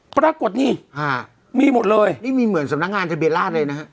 ปรากฏนี่มีหมดเลยนี่มีเหมือนสำนักงานทะเบียนราชเลยนะฮะ